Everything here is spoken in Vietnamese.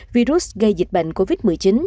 virus gây dịch bệnh covid một mươi chín